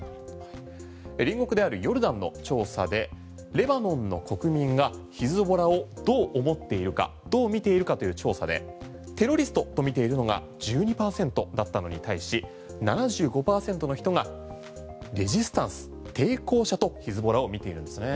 隣国であるヨルダンの調査でレバノンの国民がヒズボラをどう思っているかどう見ているかという調査でテロリストとみているのが１２％だったのに対し７５％の人がレジスタンス・抵抗者とヒズボラを見ているんですね。